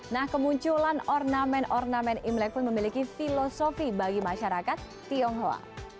nah kemunculan ornamen ornamen imlek pun memiliki filosofi bagi masyarakat tionghoa